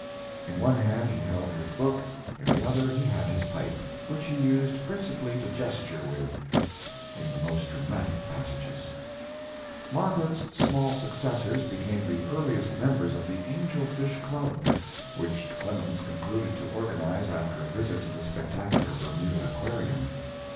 In one hand he held his book, in the other he had his pipe, which he used principally to gesture with in the most dramatic passages. Margaret's small successors became the earliest members of the Angel Fish Club, which Clemens concluded to organize after a visit to the spectacular Bermuda aquarium.